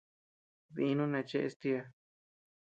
Dínu neʼe cheʼes tiäa.